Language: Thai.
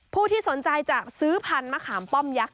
ผู้ที่สนใจจะซื้อพันธุ์มะขามป้อมยักษ